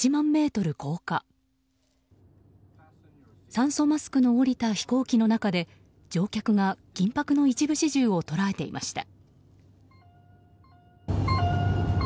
酸素マスクの下りた飛行機の中で乗客が緊迫の一部始終を捉えていました。